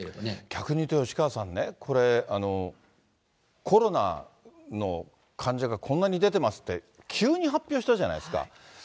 逆に言うと、吉川さんね、これ、コロナの患者がこんなに出てますって、急に発表したじゃないですか。